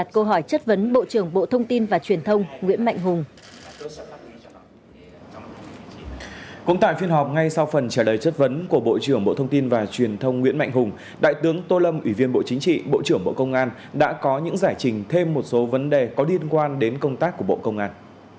cũng tại phiên họp ngay sau phần trả lời chất vấn của bộ trưởng bộ thông tin và truyền thông nguyễn mạnh hùng đại tướng tô lâm ủy viên bộ chính trị bộ trưởng bộ công an đã có những giải trình thêm một số vấn đề có liên quan đến công tác của bộ công an